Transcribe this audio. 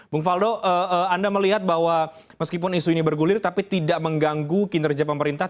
bung faldo anda melihat bahwa meskipun isu ini bergulir tapi tidak mengganggu kinerja pemerintah